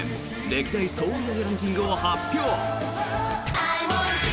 歴代総売上ランキングを発表。